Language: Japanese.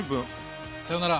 さよなら。